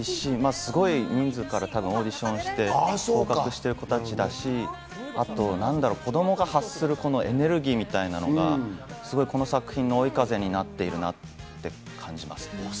すごい人数からオーディションして合格している子供たちなんで、子供が発するエネルギーみたいなのがこの作品の追い風になっていると感じます。